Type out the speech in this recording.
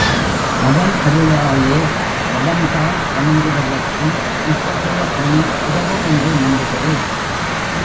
அவன் அருளாலே அவன் தாள் வணங்குவதற்கு இத்தகைய பணி உதவும் என்று நம்புகிறேன்.